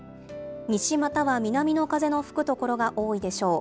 西または南の風の吹く所が多いでしょう。